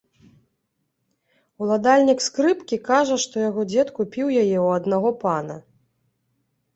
Уладальнік скрыпкі кажа, што яго дзед купіў яе ў аднаго пана.